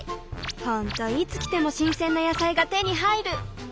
ほんといつ来ても新鮮な野菜が手に入る！